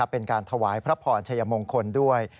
เป็นการถวายพระพรชัยมงคลด้วย